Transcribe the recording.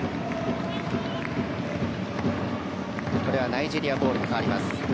ナイジェリアボールに変わりました。